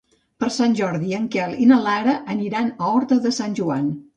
Per Sant Jordi en Quel i na Lara aniran a Horta de Sant Joan.